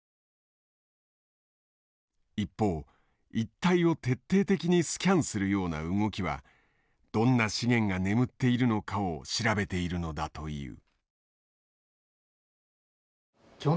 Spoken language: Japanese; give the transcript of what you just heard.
一方一帯を徹底的にスキャンするような動きはどんな資源が眠っているのかを調べているのだという。